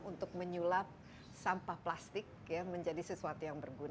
untuk menyulap sampah plastik menjadi sesuatu yang berguna